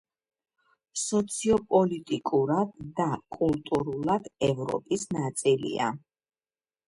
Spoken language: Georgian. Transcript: სოციოპოლიტიკურად და კულტურულად ევროპის ნაწილია.